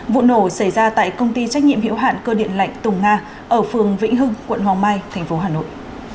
vụ nổ xảy ra tại công ty trách nhiệm hiệu hạn cơ điện lệnh tùng nga ở phường vĩnh hưng quận hoàng mai tp hà nội